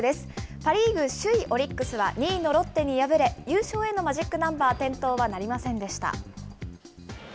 パ・リーグ首位オリックスは、２位のロッテに敗れ、優勝へのマジックナンバー点灯はなりませんでした。